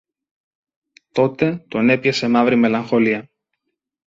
Τότε τον έπιασε μαύρη μελαγχολία.